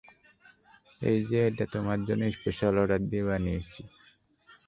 এই যে, এটা তোমার জন্য স্পেশাল অর্ডার দিয়ে বানিয়েছি।